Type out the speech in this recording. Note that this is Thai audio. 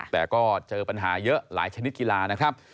แต่ก็เจอปัญหาเยอะหลายชนิดกีฬานะครับ